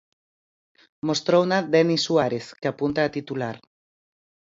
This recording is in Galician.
Mostrouna Denis Suárez, que apunta a titular.